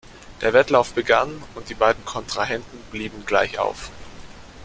Der Wettlauf begann, und die beiden Kontrahenten blieben gleichauf.